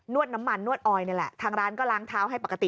วดน้ำมันนวดออยนี่แหละทางร้านก็ล้างเท้าให้ปกติ